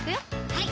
はい